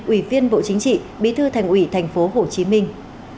ủy viên bộ chính trị bí thư thành ủy thành phố hồ chí minh